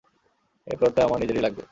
এই প্লটটা আমার নিজেরই লাগবে।